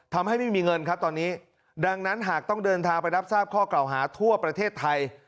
ทำให้ไม่มีเงินครับตอนนี้ดังนั้นหากต้องเดินทางไปรับทราบข้อเก่าหาทั่วประเทศไทย